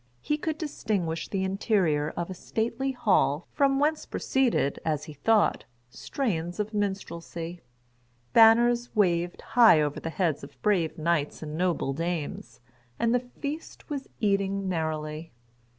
He could distinguish the interior of a stately hall, from whence proceeded, as he thought, strains of minstrelsy.[Pg 28] Banners waved high over the heads of brave knights and noble dames, and the "feast was eating merrilie."